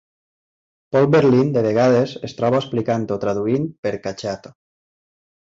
Paul Berlin, de vegades, es troba explicant o traduint per Cacciato.